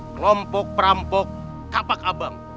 kelompok perampok kapak abang